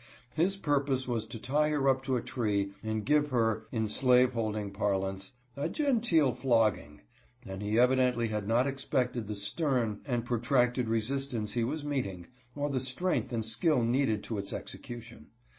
His purpose was to tie her up to a tree and give her, in slave holding par lance, a " genteel flogging," and he evidently had not ex pected the stern and protracted resistance he was meet ing, or the strength and skill needed to its execution.